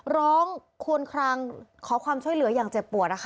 ร้องควนครางขอความช่วยเหลืออย่างเจ็บปวด